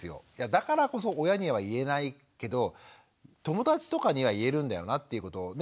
だからこそ親には言えないけど友達とかには言えるんだよなっていうことをね